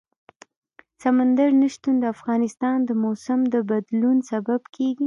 سمندر نه شتون د افغانستان د موسم د بدلون سبب کېږي.